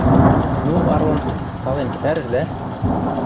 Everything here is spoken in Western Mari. Ну, Арон, сален пӹтӓрӹшдӓ?